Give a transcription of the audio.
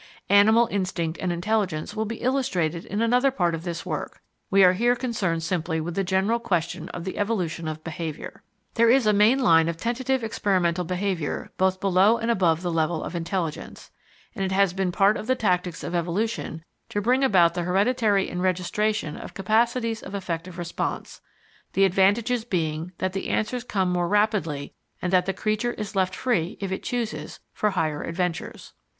Animal instinct and intelligence will be illustrated in another part of this work. We are here concerned simply with the general question of the evolution of behaviour. There is a main line of tentative experimental behaviour both below and above the level of intelligence, and it has been part of the tactics of evolution to bring about the hereditary enregistration of capacities of effective response, the advantages being that the answers come more rapidly and that the creature is left free, if it chooses, for higher adventures.